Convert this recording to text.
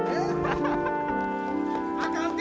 あかんて！